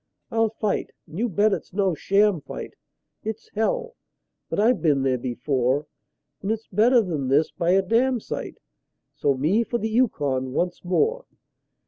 I'll fight and you bet it's no sham fight; It's hell! but I've been there before; And it's better than this by a damsite So me for the Yukon once more.